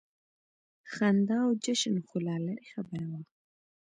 خندا او جشن خو لا لرې خبره وه.